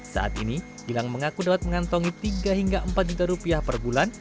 saat ini gilang mengaku dapat mengantongi tiga hingga empat juta rupiah per bulan